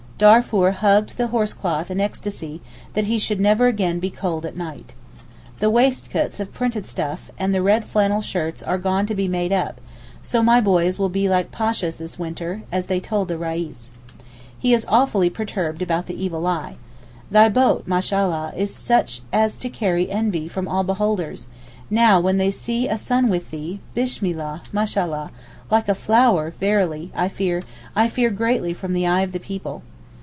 Darfour hugged the horsecloth in ecstasy that he should never again be cold at night. The waistcoats of printed stuff, and the red flannel shirts are gone to be made up, so my boys will be like Pashas this winter, as they told the Reis. He is awfully perturbed about the evil eye. 'Thy boat, Mashallah, is such as to cause envy from all beholders; and now when they see a son with thee, Bismillah! Mashallah! like a flower, verily. I fear, I fear greatly from the eye of the people.